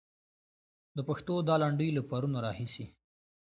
د پښتو دا لنډۍ له پرونه راهيسې.